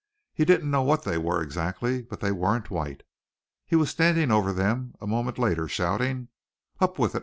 He didn't know what they were exactly, but they weren't white. He was standing over them a moment later shouting, "Up with it!